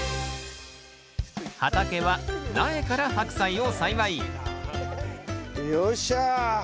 畑は苗からハクサイを栽培よっしゃ！